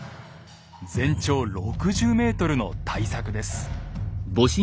全長６０ｍの大作です。